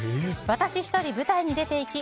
私１人、舞台に出て行き